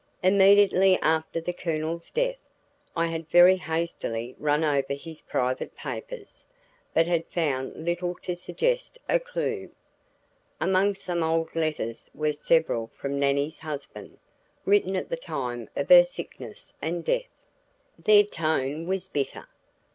Immediately after the Colonel's death, I had very hastily run over his private papers, but had found little to suggest a clue. Among some old letters were several from Nannie's husband, written at the time of her sickness and death; their tone was bitter.